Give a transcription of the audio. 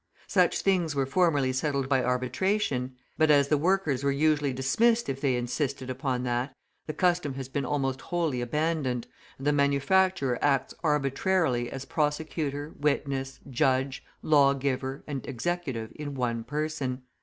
Such things were formerly settled by arbitration; but as the workers were usually dismissed if they insisted upon that, the custom has been almost wholly abandoned, and the manufacturer acts arbitrarily as prosecutor, witness, judge, law giver, and executive in one person.